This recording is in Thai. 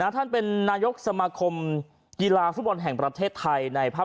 ท่านเป็นนายกสมาคมกีฬาฟุตบอลแห่งประเทศไทยในภาพ